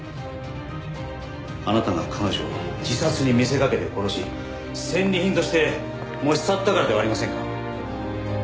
あなたが彼女を自殺に見せかけて殺し戦利品として持ち去ったからではありませんか？